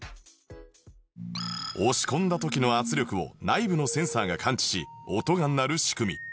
押し込んだ時の圧力を内部のセンサーが感知し音が鳴る仕組み